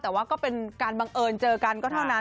แต่ว่าก็เป็นการบังเอิญเจอกันก็เท่านั้น